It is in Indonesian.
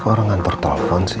kau orang nganter telepon sih